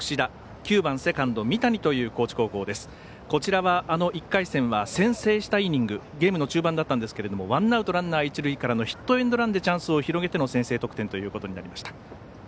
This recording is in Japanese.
こちらは１回戦は先制したイニングゲームの中盤だったんですがワンアウト、ランナー、一塁からヒットエンドランでチャンスを広げての先制得点となりました。